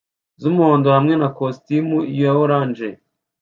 z'umuhondo hamwe na kositimu ya orange